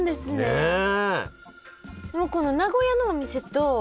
ねえ！